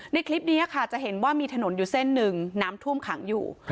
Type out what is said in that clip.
ในคลิปนี้ค่ะจะเห็นว่ามีถนนอยู่เส้นหนึ่งน้ำท่วมขังอยู่